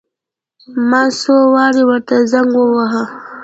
ما څو وارې ورته زنګ وواهه.